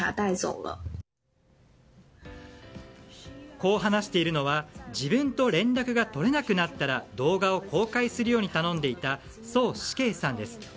こう話しているのは自分と連絡が取れなくなったら動画を公開するように頼んでいたソウ・シケイさんです。